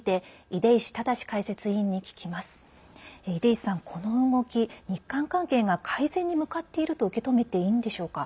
出石さん、この動き日韓関係が改善に向かっていると受け止めていいんでしょうか？